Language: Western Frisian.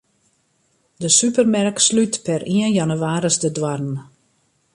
De supermerk slút per ien jannewaris de doarren.